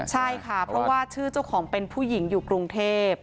ใช่ค่ะเพราะว่าชื่อเจ้าของเป็นผู้หญิงอยู่กรุงเทพ